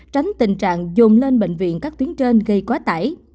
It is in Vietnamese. tránh tình trạng dồn lên bệnh viện các tuyến trên gây quá tải